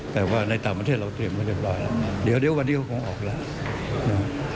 แต่ว่าในต่างประเทศเราเตรียมมันเรียบร้อยแล้วอยู่เดียววันนี้จะออกแล้ว